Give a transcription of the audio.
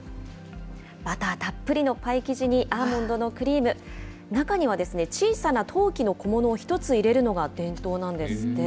バターたっぷりのパイ生地にアーモンドのクリーム、中には小さな陶器の小物を１つ入れるのが伝統なんですって。